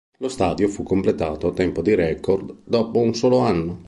Lo stadio fu completato a tempo di record dopo un solo anno.